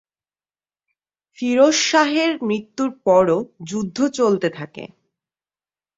ফিরোজ শাহের মৃত্যুর পরও যুদ্ধ চলতে থাকে।